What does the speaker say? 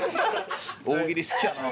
大喜利好きやな。